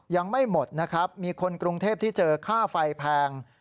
ยังไม่หมดนะครับมีคนกรุงเทพที่เจอค่าไฟแพง